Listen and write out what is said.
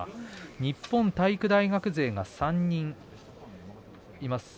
日本体育大学勢は３人います。